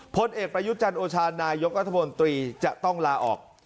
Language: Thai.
พลเอกประยุจันทร์โอชานายกรัฐมนตรีจะต้องลาออก